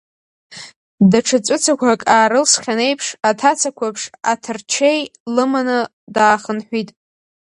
Даҽа ҵәыцақәак аарылсхьан еиԥш, аҭаца қәыԥш, аҭарчеи лыманы, даахынҳәит.